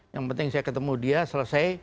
yang penting saya ketemu dia selesai